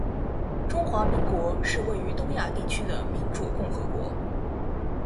中华民国是位于东亚地区的民主共和国